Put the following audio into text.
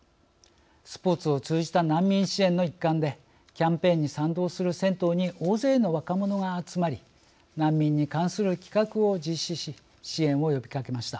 スポーツを通じた難民支援の一環でキャンペーンに賛同する銭湯に大勢の若者が集まり難民に関する企画を実施し支援を呼びかけました。